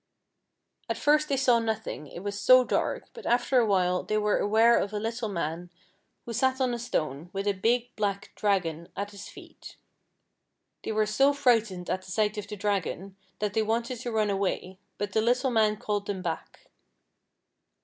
At first they saw nothing, it was so dark, but after a while they were aware of a little man who sat on a ii6 FIRE AND WATER. Stone with a big black dragon at his feet. They were so frightened at the sight of the Dragon that they wanted to run away, but the httle man called them back.